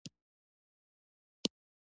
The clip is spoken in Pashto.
هګۍ د کورنیو خوړو اساسي برخه ده.